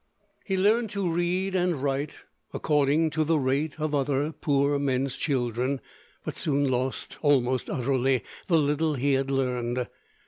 He learned to read and write "according to the rate of other poor men's children"; but soon lost "almost utterly" the little he had learned.